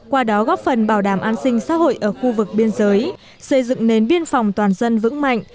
qua đó góp phần bảo đảm an sinh xã hội ở khu vực biên giới xây dựng nền biên phòng toàn dân vững mạnh